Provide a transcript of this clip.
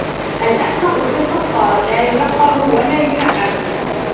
الْأَحْمَقُ كَالْفَخَّارِ لَا يُرَقَّعُ وَلَا يُشَعَّبُ